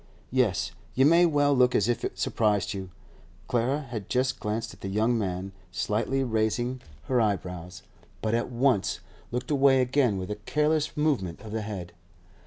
Yes, you may well look as if it surprised you.' Clara had just glanced at the young man, slightly raising her eyebrows, but at once looked away again with a careless movement of the head.